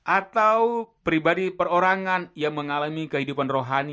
atau pribadi perorangan yang mengalami kehidupan rohani